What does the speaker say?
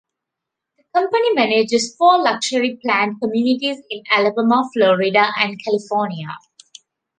The company manages four luxury planned communities in Alabama, Florida and California.